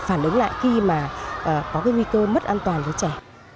phản ứng lại khi mà có cái nguy cơ mất an toàn cho trẻ